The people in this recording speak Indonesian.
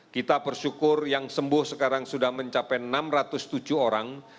kita bersyukur yang sembuh sekarang sudah mencapai enam ratus tujuh orang